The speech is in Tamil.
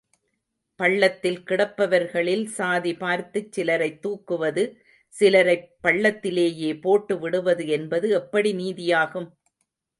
பள்ளத்தில் கிடப்பவர்களில் சாதி பார்த்துச் சிலரைத் தூக்குவது, சிலரைப் பள்ளத்திலேயே போட்டு விடுவது என்பது எப்படி நீதியாகும்?